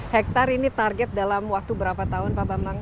dua belas tujuh hektare ini target dalam waktu berapa tahun pak bambang